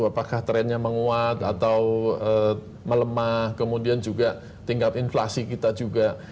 apakah trennya menguat atau melemah kemudian juga tingkat inflasi kita juga